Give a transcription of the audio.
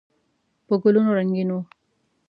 په ګلونو رنګین و.